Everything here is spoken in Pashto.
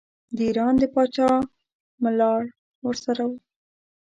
د ایران د پاچا ملاړ ورسره وو.